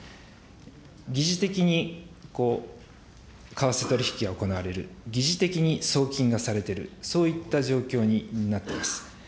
疑似的に為替取り引きが行われる、疑似的に送金がされてる、そういった状況になっています。